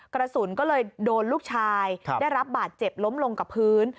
กระสุนก็เลยโดนลูกชายได้รับบาดเจ็บล้มลงกับพื้น